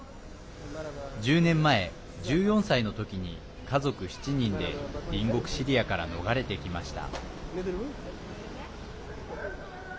１０年前、１４歳の時に家族７人で隣国シリアから逃れてきました。